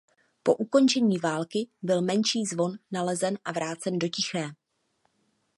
Po ukončení války byl menší zvon nalezen a vrácen do Tiché.